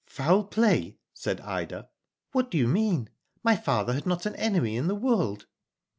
Foul play/' said Ida. "What do you mean? My father had not an enemy in the world."